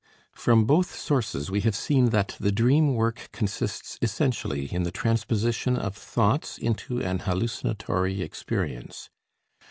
From both sources we have seen that the dream work consists essentially in the transposition of thoughts into an hallucinatory experience.